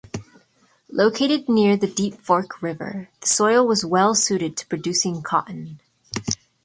Located near the Deep Fork River, the soil was well suited to producing cotton.